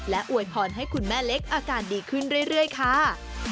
และอวยพรให้คุณแม่เล็กอาการดีขึ้นเรื่อยค่ะ